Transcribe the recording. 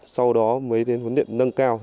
sau đó mới đến huấn luyện nâng cao